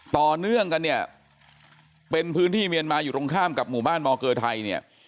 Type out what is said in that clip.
ต่อเนื่องกันเนี่ยเป็นพื้นที่เมียนมาอยู่ตรงข้ามกับหมู่บ้านมอเกอร์ไทยเนี่ย